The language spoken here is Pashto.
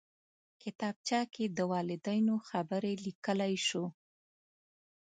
کتابچه کې د والدینو خبرې لیکلی شو